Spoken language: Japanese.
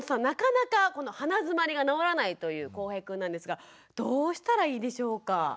なかなかこの鼻づまりが治らないというこうへいくんなんですがどうしたらいいでしょうか？